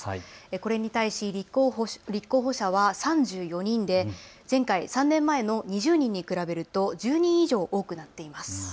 これに対し立候補者は３４人で前回、３年前の２０人に比べると１０人以上多くなっています。